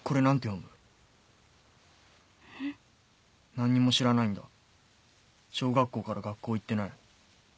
何にも知らないんだ小学校から学校行ってない。